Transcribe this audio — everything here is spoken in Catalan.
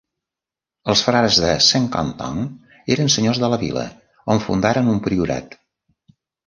Els frares de Saint-Quentin eren senyors de la vila, on fundaren un priorat.